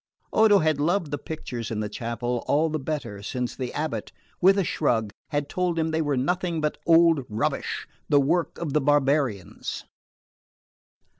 Odo had loved the pictures in the chapel all the better since the abate, with a shrug, had told him they were nothing but old rubbish, the work of the barbarians.